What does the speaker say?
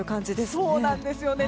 そうなんですよね。